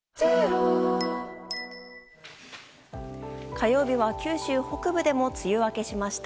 火曜日は九州北部でも梅雨明けしました。